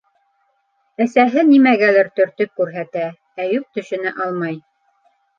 Әсәһе нимәгәлер төртөп күрһәтә, Әйүп төшөнә алмай...